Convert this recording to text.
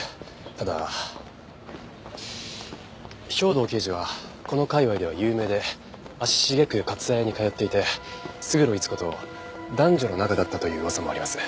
ただ兵藤刑事はこの界隈では有名で足繁くかつ絢に通っていて勝呂伊津子と男女の仲だったという噂もあります。